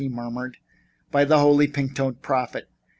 he murmured. "By the Holy Pink toed Prophet!